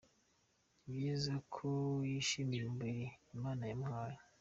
Ni byiza ko yishimiye umubiri imana yamuhaye.